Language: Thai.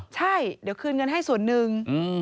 ใช่เดี๋ยวคืนเงินให้ส่วนหนึ่ง